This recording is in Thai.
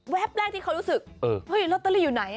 แรกที่เขารู้สึกเฮ้ยลอตเตอรี่อยู่ไหน